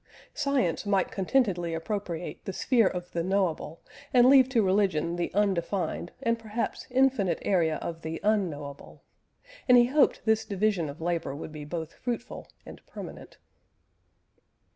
Science might contentedly appropriate the sphere of the knowable, and leave to religion the undefined and perhaps infinite area of the unknowable; and he hoped this division of labour would be both fruitful and permanent.